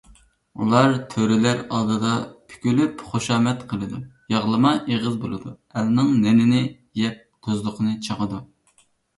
ئۇلار تۆرىلەر ئالدىدا پۈكۈلۈپ، خۇشامەت قىلىدۇ، ياغلىما ئېغىز بولىدۇ، ئەلنىڭ نېنىنى يەپ، تۇزلۇقىنى چاقىدۇ.